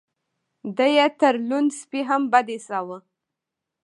دی يې تر لوند سپي هم بد ايساوه.